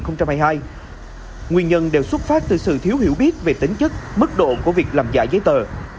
nguyên nhân đều xuất phát từ sự thiếu hiểu biết về tính chất mức độ của việc làm giả giấy tờ